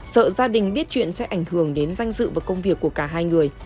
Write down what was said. sợ gia đình biết chuyện sẽ ảnh hưởng đến danh dự và công việc của cả hai người